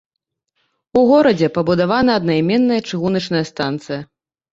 У горадзе пабудавана аднайменная чыгуначная станцыя.